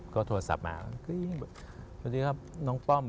ก็โทรศัพท์มาพอดีครับน้องป้อม